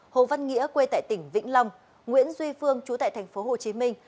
hồ văn nghĩa quê tại tỉnh vĩnh long nguyễn duy phương trú tại tỉnh hồ chí minh